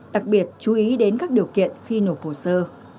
đặc biệt chú ý đến các điều kiện khi nộp hồ sơ